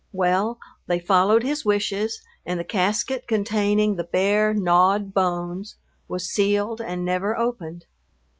Well, they followed his wishes, and the casket containing the bare, gnawed bones was sealed and never opened.